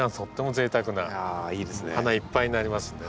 花いっぱいになりますんでね。